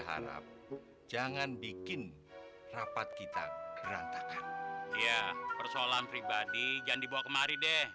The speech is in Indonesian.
harap jangan bikin rapat kita berantakan ya persoalan pribadi jangan dibawa kemari deh